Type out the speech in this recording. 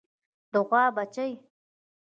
د غوا بچۍ